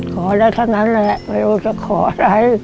ขอแล้วเท่านั้นแหละไม่รู้จะขออะไร